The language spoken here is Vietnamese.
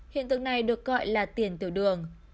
hiện tượng này được gọi là tiền tiểu đường